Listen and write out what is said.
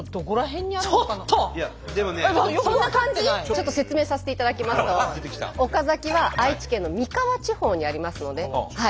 ちょっと説明させていただきますと岡崎は愛知県の三河地方にあるんですね。